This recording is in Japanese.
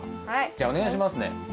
じゃあおねがいしますね。